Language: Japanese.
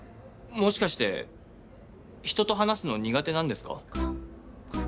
もしかして人と話すの苦手なんですか？